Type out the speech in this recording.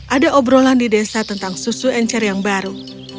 ada obrolan di desa tentang susu encer yang baru